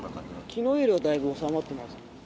きのうよりはだいぶ収まってます。